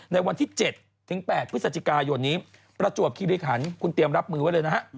ในวันที่๗๘พฤศจิกายนนี้ประจวบคิริขันคุณเตรียมรับมือไว้เลยนะฮะ